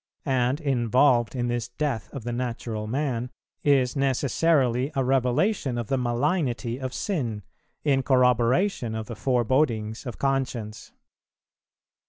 And, involved in this death of the natural man, is necessarily a revelation of the malignity of sin, in corroboration of the forebodings of conscience.